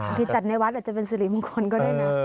จัดในวัดอาจจะเป็นสิริมงคลก็ได้นะ